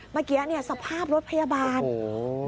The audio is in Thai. เมื่อกี้เนี่ยสภาพรถพยาบาล